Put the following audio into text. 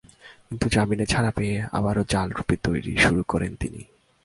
কিন্তু জামিনে ছাড়া পেয়ে আবারও জাল রুপি তৈরি শুরু করেন তিনি।